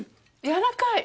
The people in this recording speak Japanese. やわらかい。